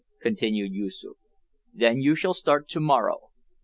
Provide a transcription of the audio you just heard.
continued Yoosoof. "Then you shall start to morrow.